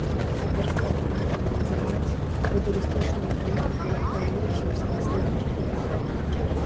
Цяпер складана аналізаваць, бо турыстычныя плыні пераўтварыліся ў самастойныя плыні.